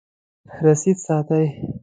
رسید ساتئ؟